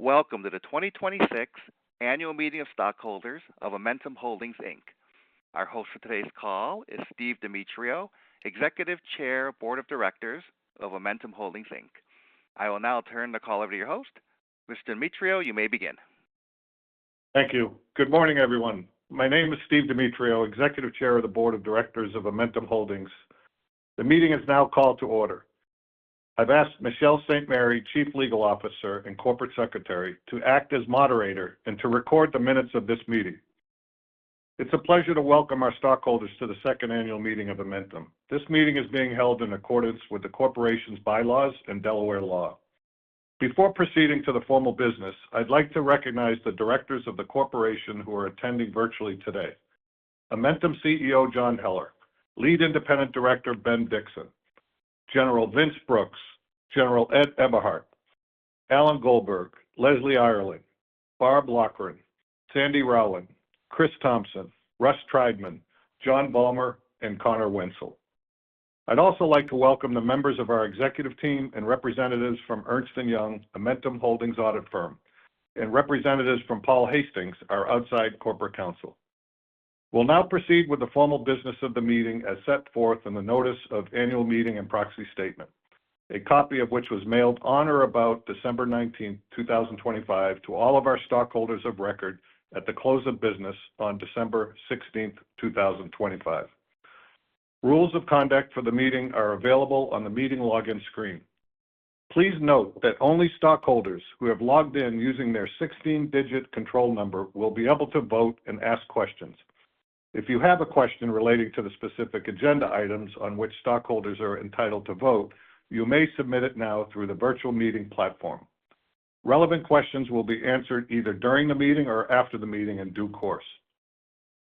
Welcome to the 2026 Annual Meeting of Stockholders of Amentum Holdings, Inc. Our host for today's call is Steve Demetriou, Executive Chair, Board of Directors of Amentum Holdings, Inc. I will now turn the call over to your host. Mr. Demetriou, you may begin. Thank you. Good morning, everyone. My name is Steve Demetriou, Executive Chair of the Board of Directors of Amentum Holdings. The meeting is now called to order. I've asked Michele St. Mary, Chief Legal Officer and Corporate Secretary, to act as moderator and to record the minutes of this meeting. It's a pleasure to welcome our stockholders to the second annual meeting of Amentum. This meeting is being held in accordance with the corporation's bylaws and Delaware law. Before proceeding to the formal business, I'd like to recognize the directors of the corporation who are attending virtually today: Amentum CEO John Heller, Lead Independent Director Ben Dickson, General Vince Brooks, General Ed Eberhart, Alan Goldberg, Leslie Ireland, Barb Loughran, Sandy Rowland, Chris Thompson, Russ Triedman, John Vollmer, and Connor Wentzell. I'd also like to welcome the members of our executive team and representatives from Ernst & Young, Amentum Holdings' audit firm, and representatives from Paul Hastings, our outside corporate counsel. We'll now proceed with the formal business of the meeting as set forth in the notice of annual meeting and proxy statement, a copy of which was mailed on or about December 19, 2025, to all of our stockholders of record at the close of business on December 16, 2025. Rules of conduct for the meeting are available on the meeting login screen. Please note that only stockholders who have logged in using their 16-digit control number will be able to vote and ask questions. If you have a question relating to the specific agenda items on which stockholders are entitled to vote, you may submit it now through the virtual meeting platform. Relevant questions will be answered either during the meeting or after the meeting in due course.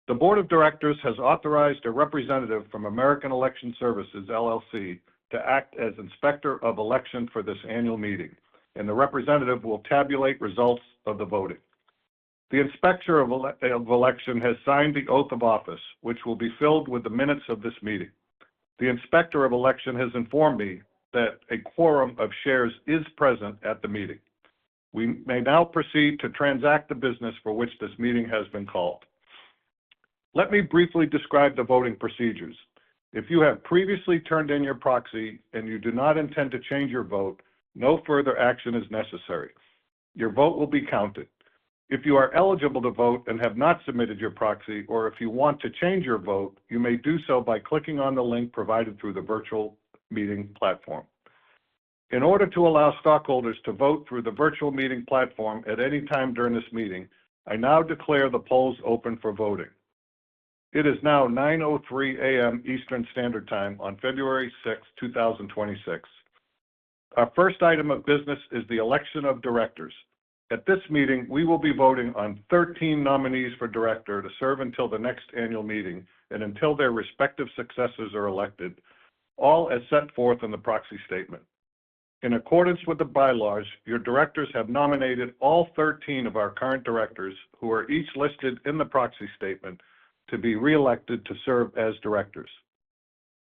The Board of Directors has authorized a representative from American Election Services, LLC, to act as Inspector of Election for this Annual Meeting of Stockholders, and the representative will tabulate results of the voting. The Inspector of Election has signed the oath of office, which will be filed with the minutes of this meeting. The Inspector of Election has informed me that a quorum of shares is present at the meeting. We may now proceed to transact the business for which this meeting has been called. Let me briefly describe the voting procedures. If you have previously turned in your proxy and you do not intend to change your vote, no further action is necessary. Your vote will be counted. If you are eligible to vote and have not submitted your proxy, or if you want to change your vote, you may do so by clicking on the link provided through the virtual meeting platform. In order to allow stockholders to vote through the virtual meeting platform at any time during this meeting, I now declare the polls open for voting. It is now 9:03 A.M. Eastern Standard Time on February 6, 2026. Our first item of business is the election of directors. At this meeting, we will be voting on 13 nominees for director to serve until the next annual meeting and until their respective successors are elected, all as set forth in the Proxy Statement. In accordance with the Bylaws, your directors have nominated all 13 of our current directors who are each listed in the Proxy Statement to be reelected to serve as directors.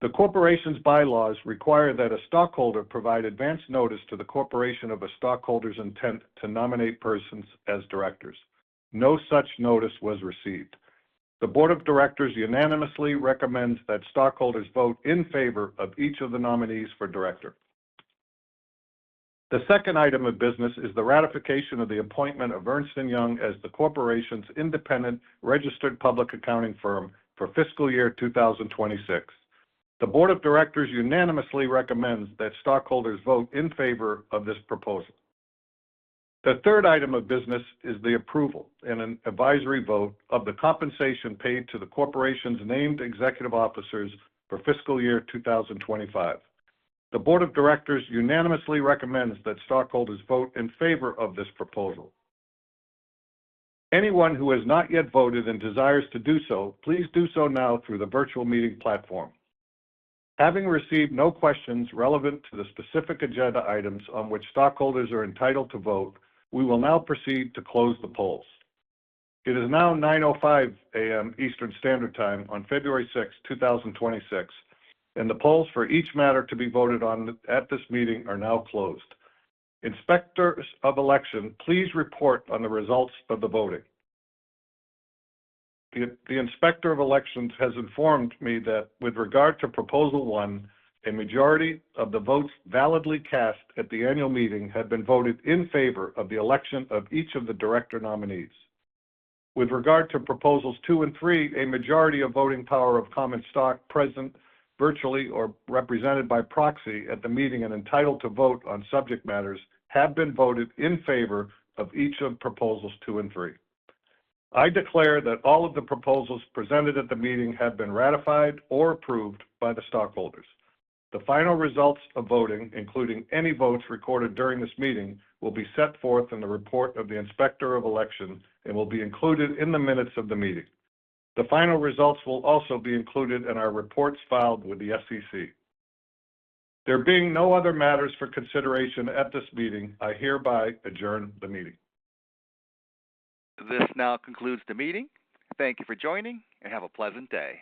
The corporation's bylaws require that a stockholder provide advance notice to the corporation of a stockholder's intent to nominate persons as directors. No such notice was received. The Board of Directors unanimously recommends that stockholders vote in favor of each of the nominees for director. The second item of business is the ratification of the appointment of Ernst & Young as the corporation's independent registered public accounting firm for Fiscal Year 2026. The Board of Directors unanimously recommends that stockholders vote in favor of this proposal. The third item of business is the approval and an advisory vote of the compensation paid to the corporation's named executive officers for Fiscal Year 2025. The Board of Directors unanimously recommends that stockholders vote in favor of this proposal. Anyone who has not yet voted and desires to do so, please do so now through the virtual meeting platform. Having received no questions relevant to the specific agenda items on which stockholders are entitled to vote, we will now proceed to close the polls. It is now 9:05 A.M. Eastern Standard Time on February 6, 2026, and the polls for each matter to be voted on at this meeting are now closed. Inspector of Election, please report on the results of the voting. The Inspector of Election has informed me that with regard to proposal one, a majority of the votes validly cast at the annual meeting had been voted in favor of the election of each of the director nominees. With regard to proposals two and three, a majority of voting power of common stock present virtually or represented by proxy at the meeting and entitled to vote on subject matters have been voted in favor of each of proposals two and three. I declare that all of the proposals presented at the meeting have been ratified or approved by the stockholders. The final results of voting, including any votes recorded during this meeting, will be set forth in the report of the Inspector of Election and will be included in the minutes of the meeting. The final results will also be included in our reports filed with the SEC. There being no other matters for consideration at this meeting, I hereby adjourn the meeting. This now concludes the meeting. Thank you for joining, and have a pleasant day.